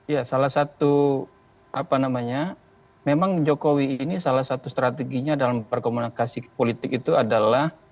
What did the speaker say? ya salah satu apa namanya memang jokowi ini salah satu strateginya dalam berkomunikasi politik itu adalah